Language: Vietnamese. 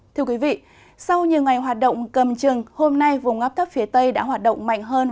thưa quý vị sau nhiều ngày hoạt động cầm trừng hôm nay vùng ngắp thấp phía tây đã hoạt động mạnh hơn